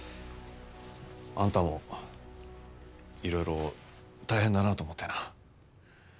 あんたもいろいろ大変だなと思ってな。